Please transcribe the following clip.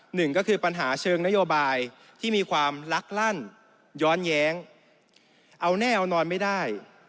หนึ่งก็คือปัญหาเชิงนโยบายที่มีความลักลั่นย้อนแย้งเอาแน่เอานอนไม่ได้